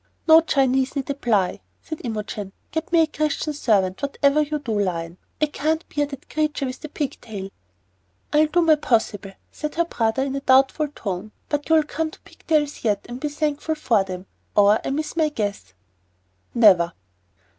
"No Chinese need apply," said Imogen. "Get me a Christian servant, whatever you do, Lion. I can't bear that creature with the pig tail." "I'll do my possible," said her brother, in a doubtful tone; "but you'll come to pig tails yet and be thankful for them, or I miss my guess." "Never!"